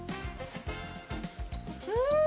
うん！